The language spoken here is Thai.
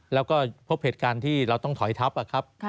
แล้วก็พบเหตุการณ์ที่เราต้องถอยทับครับ